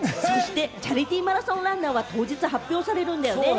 チャリティーマラソンランナーは当日発表されるんだよね？